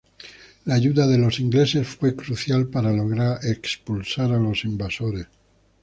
La ayuda de los ingleses fue crucial para lograr expulsar a los invasores.